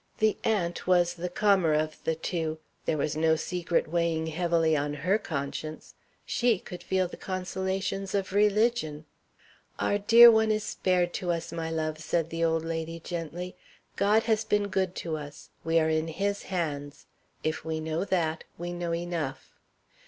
The aunt was the calmer of the two there was no secret weighing heavily on her conscience. She could feel the consolations of religion. "Our dear one is spared to us, my love," said the old lady, gently. "God has been good to us. We are in his hands. If we know that, we know enough."